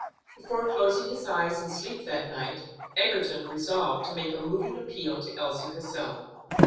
Before closing his eyes in sleep that night, Egerton resolved to make a moving appeal to Elsie herself.